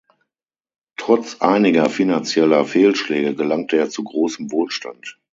Trotz einiger finanzieller Fehlschläge gelangte er zu großem Wohlstand.